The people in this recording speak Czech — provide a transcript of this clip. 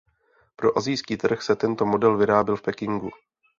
Pro asijský trh se tento model vyráběl v Pekingu.